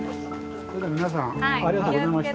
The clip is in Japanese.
それじゃ皆さんありがとうございました。